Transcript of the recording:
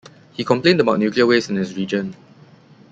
He complained about nuclear waste in his region.